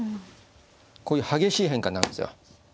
こういう激しい変化になるんですよ。